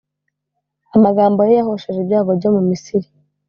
Amagambo ye yahosheje ibyago byo mu Misiri,